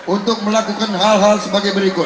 untuk melakukan hal hal sebagai berikut